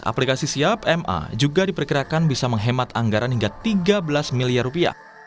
aplikasi siap ma juga diperkirakan bisa menghemat anggaran hingga tiga belas miliar rupiah